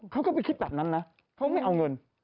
เขาก็ไปคิดแบบนั้นนะเขาไม่เอาเงิน